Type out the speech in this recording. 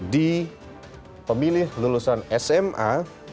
di pemilih lulusan sma